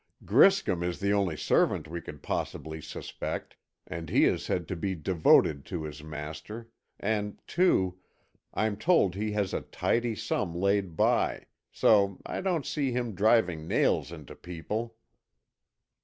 Griscom is the only servant we could possibly suspect, and he is said to be devoted to his master, and too, I'm told he has a tidy sum laid by, so I don't see him driving nails into people."